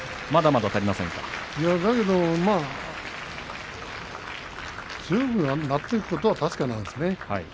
だけどまあ強くなっていくことは確かなんですね。